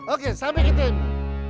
oke sampai ketemu